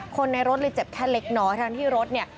คนในรถเลยเจ็บแค่เล็กน้อยทั้งที่รถเนี่ย